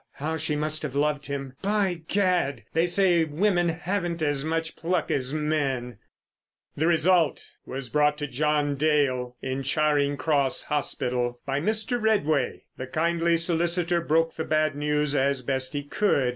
how she must have loved him. By gad! they say women haven't as much pluck as men!" The result was brought to John Dale in Charing Cross Hospital by Mr. Redway. The kindly solicitor broke the bad news as best he could.